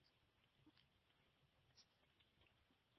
警视厅刑事部搜查第一课搜查官。